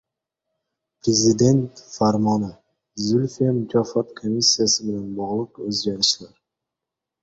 Prezident farmoni: Zulfiya mukofoti komissiyasi bilan bog‘liq o‘zgarishlar